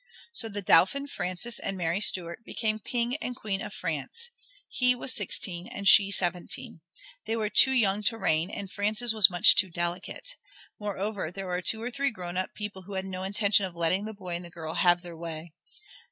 So the Dauphin Francis and Mary Stuart became King and Queen of France. He was sixteen and she seventeen. They were too young to reign and Francis was much too delicate. Moreover there were two or three grown up people who had no intention of letting the boy and girl have their own way.